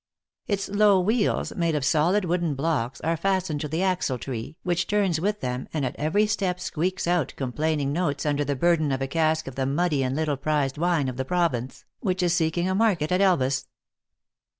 Its low wheels, made of solid wooden blocks, are fastened to the axle tree, which turns with them, and at every step squeaks out complaining notes under the burden of a cask of the muddy and little prized wine of the province, which is seeking a market at Elvas.